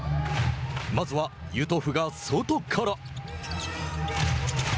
まずは、ユトフが外から。